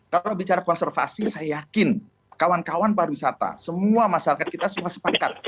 kalau bicara konservasi saya yakin kawan kawan pariwisata semua masyarakat kita semua sepakat